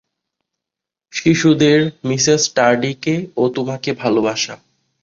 শিশুদের, মিসেস স্টার্ডিকে ও তোমাকে ভালবাসা।